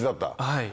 はい。